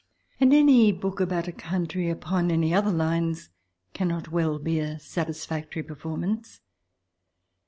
And any book about a country upon any other lines cannot well be a satisfactory perfor mance.